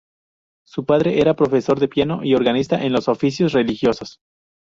Su padre era profesor de piano y organista en los oficios religiosos.